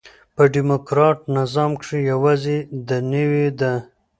په ډيموکراټ نظام کښي یوازي دنیوي ده.